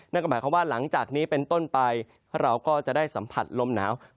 นั่นก็หมายความว่าหลังจากนี้เป็นต้นไปเราก็จะได้สัมผัสลมหนาว